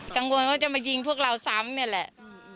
กังวลว่าจะมายิงพวกเราซ้ำนี่แหละ